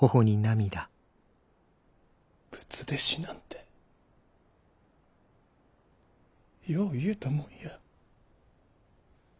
仏弟子なんてよう言うたもんや。